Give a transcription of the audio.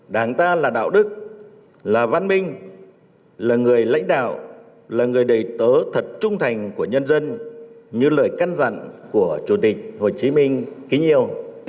đảng ta là đạo đức là văn minh là người lãnh đạo là người đầy tớ thật trung thành của nhân dân như lời căn dặn của chủ tịch hồ chí minh kính yêu